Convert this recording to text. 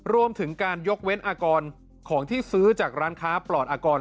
รวมถึงการยกเว้นอากรของที่ซื้อจากร้านค้าปลอดอากร